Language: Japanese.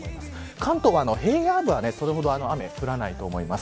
関東は平野部ではそれほど雨は降らないと思います。